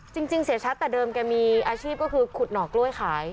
จริงเสียชัดแต่เดิมแกมีอาชีพก็คือขุดหน่อกล้วยขาย